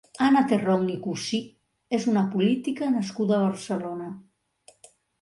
Anna Terrón i Cusí és una política nascuda a Barcelona.